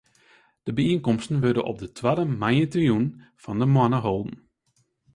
De byienkomsten wurde op de twadde moandeitejûn fan de moanne holden.